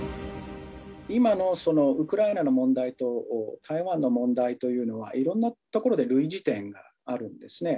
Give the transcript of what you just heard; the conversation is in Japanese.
今のウクライナの問題と台湾の問題というのは、いろんなところで類似点、あるんですね。